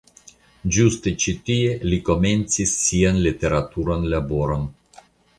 Ĝuste ĉi tie li komencis sian literaturan laboron.